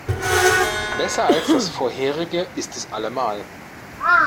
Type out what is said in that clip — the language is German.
Besser als das vorherige ist es allemal.